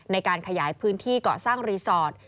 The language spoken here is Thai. ในการขยายพื้นที่เกาะสร้างรีสอร์ท